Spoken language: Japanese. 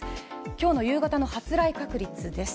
今日の夕方の発雷確率です。